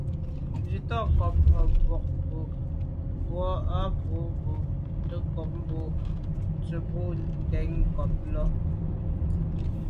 (swatəncob à bwôgmbwə̀ mbwɔ̂ α̂ nǔm bα̌ to’tə ncob boὰ tsə̀ bò nâ’ ndɛ̂n ncob lα.